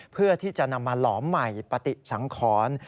เพื่อที่จะนำมาหลอมใหม่ปฏิสังขร